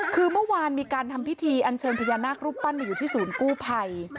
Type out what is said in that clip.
คือเมื่อวานมีการทำพิธีอันเชิญพญานาครูปปั้นมาอยู่ที่ศูนย์กู้ภัย